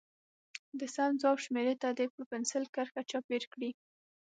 د سم ځواب شمیرې ته دې په پنسل کرښه چاپېر کړي.